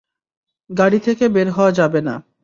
গাড়ি থেকে বের হওয়া যাবে না।